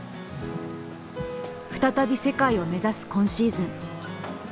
再び世界を目指す今シーズン。